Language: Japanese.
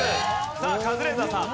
さあカズレーザーさん。